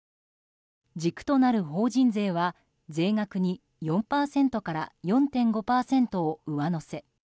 軸となる法人税は、税額に４％から４．５％を上乗せ。